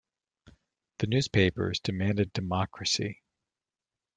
The newspapers demanded democracy.